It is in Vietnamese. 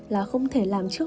là không thể làm trước được